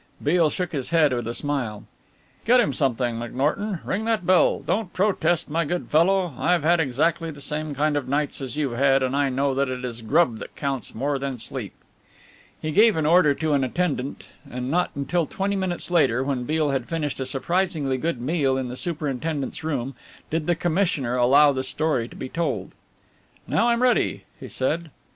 Beale shook his head with a smile. "Get him something, McNorton ring that bell. Don't protest, my good fellow I've had exactly the same kind of nights as you've had, and I know that it is grub that counts more than sleep." He gave an order to an attendant and not until twenty minutes later, when Beale had finished a surprisingly good meal in the superintendent's room, did the commissioner allow the story to be told. "Now I'm ready," he said.